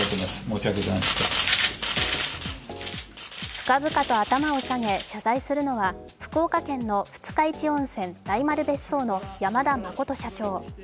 深々と頭を下げ謝罪するのは、福岡県の二日市温泉・大丸別荘の山田真社長。